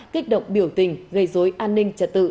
kích động biểu tình gây dối an ninh trật tự